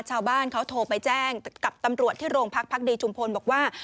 ชาวบ้านเขาโทรไปแจ้งกับตำรวจที่โรงพักพักดีชุมพลบอกว่า